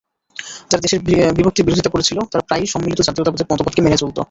যারা দেশের বিভক্তির বিরোধিতা করেছিল তারা প্রায়শই সম্মিলিত জাতীয়তাবাদের মতবাদকে মেনে চলত।